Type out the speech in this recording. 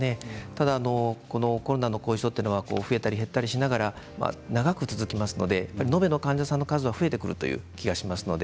ただコロナの後遺症は増えたり減ったりしながら長く続きますので延べの患者さんの数は増えてくる気がします。